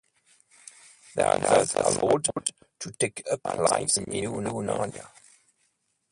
They are thus allowed to take up lives in New Narnia.